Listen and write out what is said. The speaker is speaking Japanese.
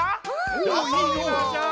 あそびましょう！